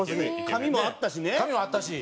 髪もあったし。